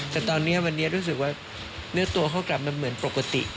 แต่ตอนนี้วันนี้รู้สึกว่าเนื้อตัวเขากลับมาเหมือนปกติ